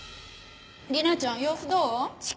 莉奈ちゃん様子どう？